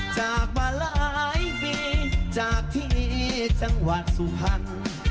จากมาหลายปีจากที่จังหวัดสุพรรณ